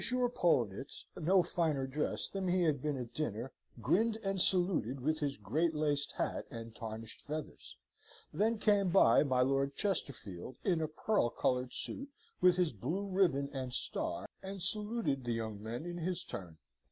Poellnitz, no finer dressed than he had been at dinner, grinned, and saluted with his great laced hat and tarnished feathers. Then came by my Lord Chesterfield, in a pearl coloured suit, with his blue ribbon and star, and saluted the young men in his turn.